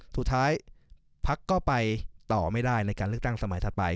สุดท้ายพรรคก็ไปต่อไม่ได้ในการเลือกตั้งสมัยถัดไป